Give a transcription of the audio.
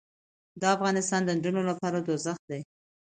دافغانستان د نجونو لپاره دوزخ دې